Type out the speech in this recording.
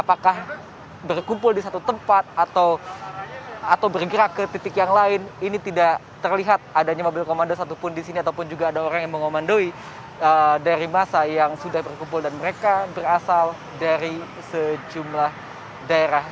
atau bergerak ke titik yang lain ini tidak terlihat adanya mobil komando satupun disini ataupun juga ada orang yang mengomandoi dari masa yang sudah berkumpul dan mereka berasal dari sejumlah daerah